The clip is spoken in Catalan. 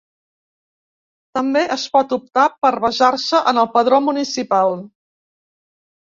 També es pot optar per basar-se en el padró municipal.